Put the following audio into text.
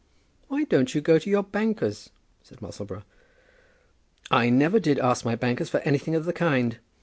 "Why don't you go to your bankers?" said Musselboro. "I never did ask my bankers for anything of the kind."